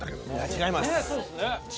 違います。